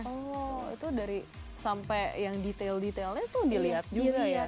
oh itu dari sampai yang detail detailnya tuh dilihat juga ya